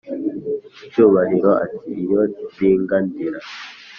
cyubahiro ati"iyo ndigandira